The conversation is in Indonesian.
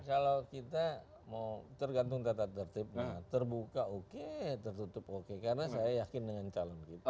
kalau kita mau tergantung tata tertib nah terbuka oke tertutup oke karena saya yakin dengan calon kita